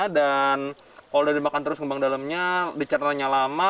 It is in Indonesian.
dan kalau sudah makan terus mengembang di dalamnya dicernanya lama